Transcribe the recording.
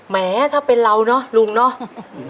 แม้ถ้าเป็นเราเนอะลุงเนาะ